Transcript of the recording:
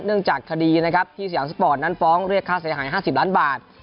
จากคดีนะครับที่สยามสปอร์ตนั้นฟ้องเรียกค่าเสียหาย๕๐ล้านบาท